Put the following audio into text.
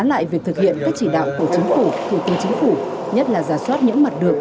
lại việc thực hiện các chỉ đạo của chính phủ thủ tư chính phủ nhất là giả soát những mặt được